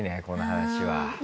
この話は。